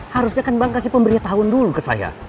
harusnya kan bang kasih pemberitahuan dulu ke saya